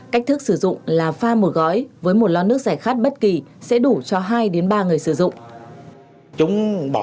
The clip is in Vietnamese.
cách thức sử dụng là pha một gói với một lon nước giải khát bất kỳ sẽ đủ cho hai ba người sử dụng